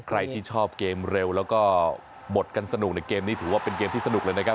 ใครที่ชอบเกมเร็วแล้วก็บดกันสนุกในเกมนี้ถือว่าเป็นเกมที่สนุกเลยนะครับ